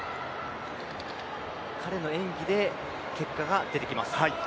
彼の演技で結果が出てきます。